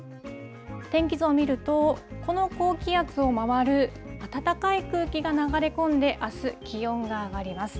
天気図を見るとこの高気圧を回る暖かい空気が流れ込んであす、気温が上がります。